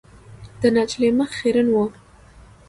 د نجلۍ مخ خیرن و .